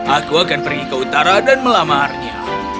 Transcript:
aku akan pergi ke utara dan melamarnya